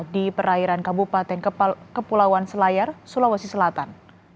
di perairan kabupaten kepulauan selayar sulawesi selatan